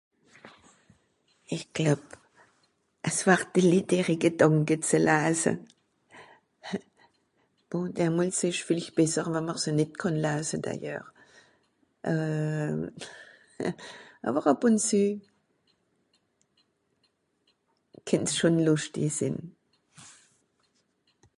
Ìch gloeb, es ward de Litt ìhri Gedànke ze lase. Bon teilmols ìsch vìllicht besser wà mr se nìt kànn lase d'ailleurs. euh... àwer àb ùn zü... kennt's schon lùschti sìnn.